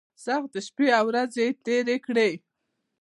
سختۍ شپې او ورځې تېرې کړې.